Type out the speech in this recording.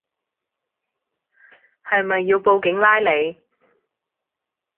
係咪要報警拉你